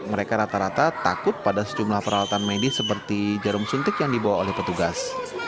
mereka rata rata takut pada sejumlah peralatan medis seperti jarum suntik yang dibawa oleh petugas